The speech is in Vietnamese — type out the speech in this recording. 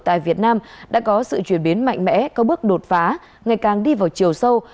tại việt nam đã có sự chuyển biến mạnh mẽ có bước đột phá ngày càng đi vào chiều sâu